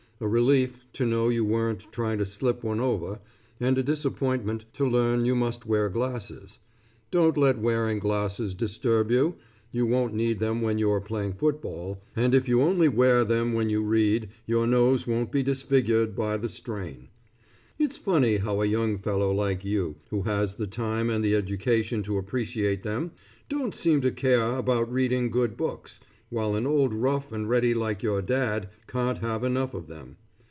A relief, to know you weren't trying to slip one over, and a disappointment to learn you must wear glasses. Don't let wearing glasses disturb you. You won't need them when you are playing football, and if you only wear them when you read your nose won't be disfigured by the strain. It's funny how a young fellow like you, who has the time and the education to appreciate them, don't seem to care about reading good books, while an old rough and ready like your dad, can't have enough of them.